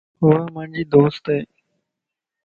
وو مانجي دوست ائي